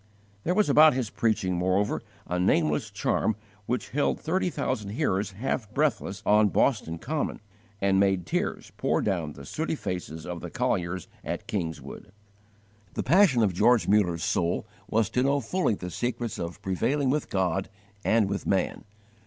_ There was about his preaching, moreover, a nameless charm which held thirty thousand hearers half breathless on Boston Common and made tears pour down the sooty faces of the colliers at Kingswood. The passion of George Muller's soul was to know fully the secrets of prevailing with God and with man.